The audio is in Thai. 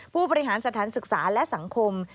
ผู้บริหารสถานศึกษาและสังคม